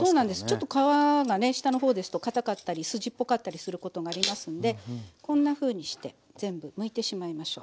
ちょっと皮がね下の方ですとかたかったり筋っぽかったりすることがありますんでこんなふうにして全部むいてしまいましょう。